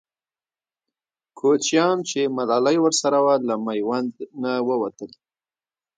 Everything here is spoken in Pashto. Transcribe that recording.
کوچیان چې ملالۍ ورسره وه، له میوند نه ووتل.